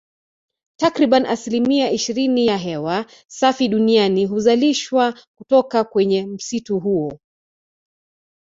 Takribani asilimia ishirini ya hewa safi duniani huzalishwa kutoka kwenye msitu huo